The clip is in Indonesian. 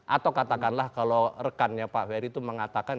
atau katakanlah kalau rekannya pak ferry itu mengatakan